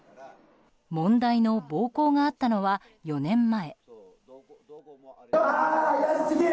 問題の暴行があったのは４年前。